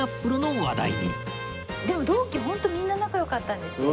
でも同期ホントみんな仲良かったんです。